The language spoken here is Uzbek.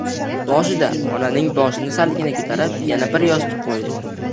Basida onaning boshini salgina ko‘tarib yana bir yostiq qo‘ydi